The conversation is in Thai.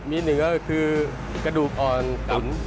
มีหนึ่งก็คือกระดูกอ่อนต่ำ